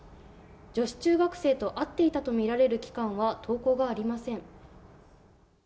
女子中学生と会っていたとみられる期間は投稿がありません。